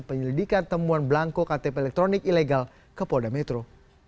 penyelidikan temuan belangko ktp elektronik ilegal ke polda metro